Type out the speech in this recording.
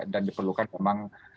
dan diperlukan memang